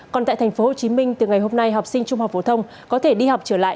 còn tại tp hcm từ ngày hôm nay học sinh trung học phổ thông có thể đi học trở lại